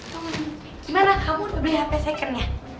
gimana kamu membeli hp second ya